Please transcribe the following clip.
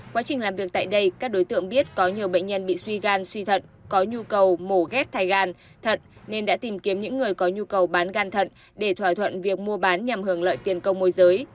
quá trình làm việc tại đây các đối tượng biết có nhiều bệnh nhân bị suy gan suy thận có nhu cầu mổ ghép thai gan thận nên đã tìm kiếm những người có nhu cầu bán gan thận để thỏa thuận việc mua bán nhằm hưởng lợi tiền công môi giới